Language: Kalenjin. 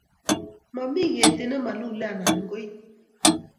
mami ketit ne ma luli anan koil